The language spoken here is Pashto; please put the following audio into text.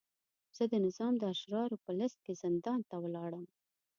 زه د نظام د اشرارو په لست کې زندان ته ولاړم.